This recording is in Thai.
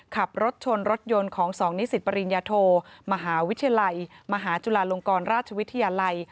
ขับรถชนรถยนต์ของ๒นิสิตปริญญาโทมหาวิทยาลัยมหาจุฬาลงกรราชวิทยาลัย